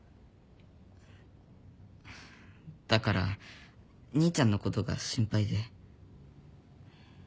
だから兄ちゃんのことが心配で。